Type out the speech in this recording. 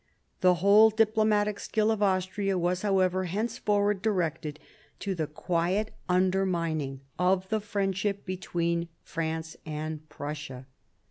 The whole diplomatic skill of Austria was, however, henceforward directed to the quiet undermining of the friendship between France and Prussia.